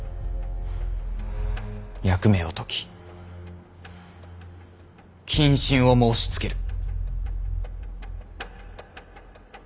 役目を解き謹慎を申しつける。